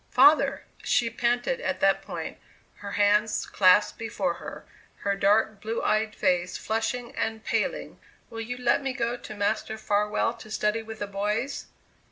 "Father," she panted at that point, her hands clasped before her, her dark, blue eyed face flushing and paling, "will you let me go to Master Farwell to study with the boys?"